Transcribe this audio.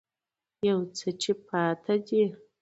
يو څه چې پاتې دي